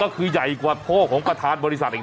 ก็คือใหญ่กว่าพ่อของประธานบริษัทอีก